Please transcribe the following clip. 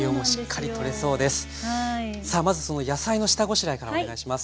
さあまず野菜の下ごしらえからお願いします。